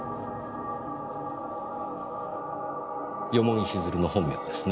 蓬城静流の本名ですねぇ。